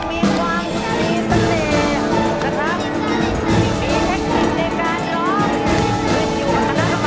มีเพื่อนอยู่ข้างหน้าน้ำอากาศแล้วนะคะ